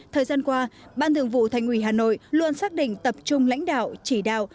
thời gian qua ban thưởng vụ thành quỷ hà nội luôn xác định tập trung lãnh đạo chỉ đạo